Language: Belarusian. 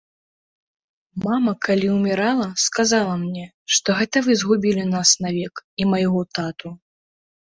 Мама, калі ўмірала, сказала мне, што гэта вы згубілі нас навек і майго тату.